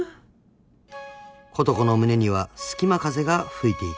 ［琴子の胸には隙間風が吹いていた］